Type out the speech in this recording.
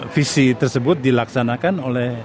visi tersebut dilaksanakan oleh